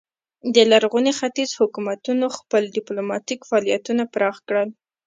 د لرغوني ختیځ حکومتونو خپل ډیپلوماتیک فعالیتونه پراخ کړل